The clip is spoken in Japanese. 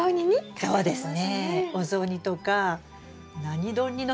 そうですよね。